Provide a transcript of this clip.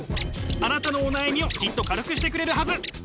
あなたのお悩みをきっと軽くしてくれるはず。